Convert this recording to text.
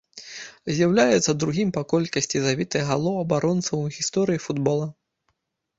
З'яўляецца другім па колькасці забітых галоў абаронцам у гісторыі футбола.